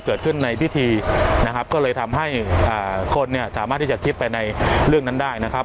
เกิดขึ้นในพิธีนะครับก็เลยทำให้คนเนี่ยสามารถที่จะคิดไปในเรื่องนั้นได้นะครับ